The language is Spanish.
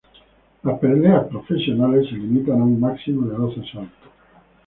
Las peleas profesionales se limitan a un máximo de doce asaltos.